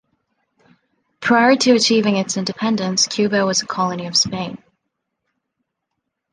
Prior to achieving its independence, Cuba was a colony of Spain.